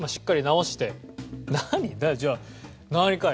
じゃあ何かい？